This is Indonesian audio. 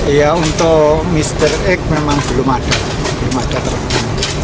iya untuk mr x memang belum ada belum ada terbang